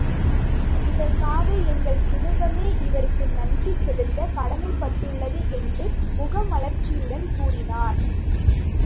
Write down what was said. இதற்காக எங்கள் குடும்பமே இவருக்கு நன்றி செலுத்தக் கடமைப்பட்டுள்ளது என்று முகமலர்ச்சியுடன் கூறினார்.